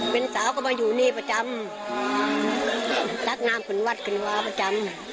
เป็นสาวก็มาอยู่นี่ประจำแตะน้ำคุณวัดที่ราวาประจำ